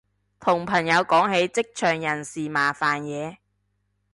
同朋友講起職場人事麻煩嘢